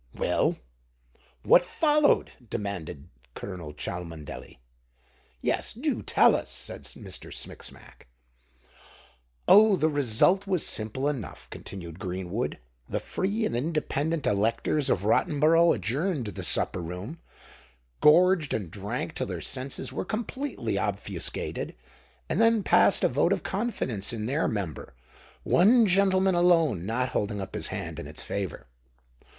"Well—what followed?" demanded Colonel Cholmondeley. "Yes, do tell us," said Mr. Smicksmack. "Oh! the result was simple enough," continued Greenwood. "The free and independent electors of Rottenborough adjourned to the supper room, gorged and drank till their senses were completely obfuscated, and then passed a vote of confidence in their Member, one gentleman alone not holding up his hand in its favour."